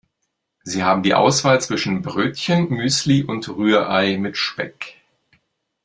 Sie haben die Auswahl zwischen Brötchen, Müsli und Rührei mit Speck.